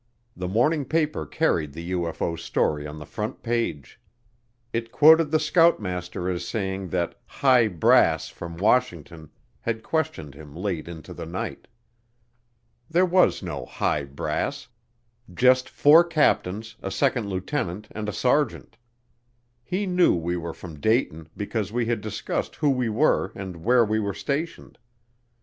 The morning paper carried the UFO story on the front page. It quoted the scoutmaster as saying that "high brass" from Washington had questioned him late into the night. There was no "high brass," just four captains, a second lieutenant, and a sergeant. He knew we were from Dayton because we had discussed who we were and where we were stationed.